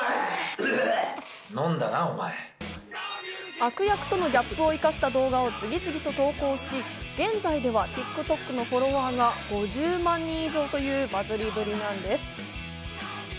悪役とのギャップを生かした動画を次々と投稿し、現在ではＴｉｋＴｏｋのフォロワーが５０万人以上というバズりぶりなんです。